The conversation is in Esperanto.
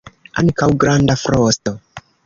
Ankaŭ granda frosto.